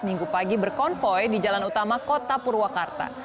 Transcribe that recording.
minggu pagi berkonvoy di jalan utama kota purwakarta